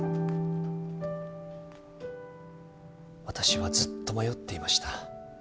私はずっと迷っていました。